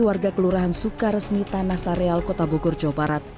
warga kelurahan sukaresmi tanah sareal kota bogor jawa barat